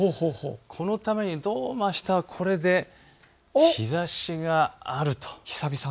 このために、どうもあしたはこれで日ざしがあると。